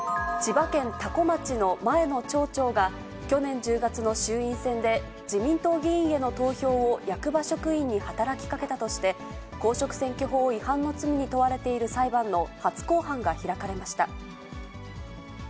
千葉県多古町の前の町長が、去年１０月の衆院選で、自民党議員への投票を役場職員に働きかけたとして、公職選挙法違反の罪に問われている裁判の初公判が開かれました。